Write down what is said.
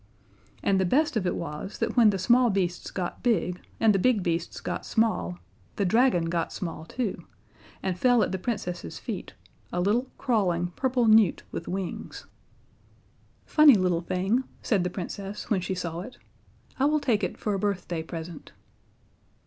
And the best of it was that when the small beasts got big and the big beasts got small the dragon got small too, and fell at the Princess's feet a little, crawling, purple newt with wings. [Illustration: "The dragon ran after her." See page 34.] "Funny little thing," said the Princess, when she saw it. "I will take it for a birthday present."